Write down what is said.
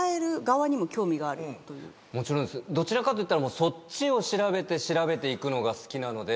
どちらかといったらそっちを調べて調べていくのが好きなので。